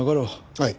はい。